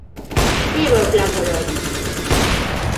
Viva o Plan Boloña!